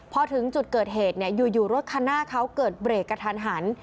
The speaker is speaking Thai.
พอถึงจุดเกิดเหตุอยู่รถคันหน้าเขาเกิดเบรกกระทันหัน